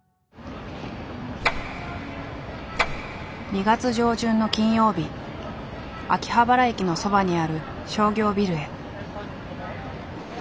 ２月上旬の金曜日秋葉原駅のそばにある商業ビルへ。